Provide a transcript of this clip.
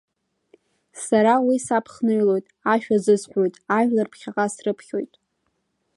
Сара уи саԥхныҩлоит, ашәа азысҳәоит, ажәлар ԥхьаҟа срыԥхьоит.